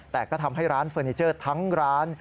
แต่ก็ทำให้ร้านเฟอร์นิเจอร์ทั้งร้าน